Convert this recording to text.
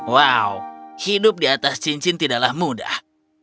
wow hidup di atas cincin tidaklah mudah